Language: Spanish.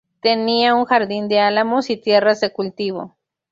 Tenía un jardín de álamos y tierras de cultivo.